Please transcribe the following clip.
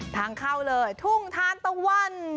ทางเข้าเลยทุ่งทานตะวัน